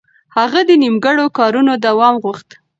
هغه د نيمګړو کارونو دوام غوښت.